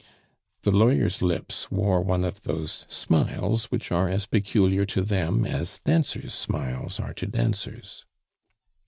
The lawyer's lips wore one of those smiles which are as peculiar to them as dancers' smiles are to dancers.